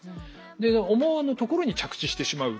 で思わぬところに着地してしまう。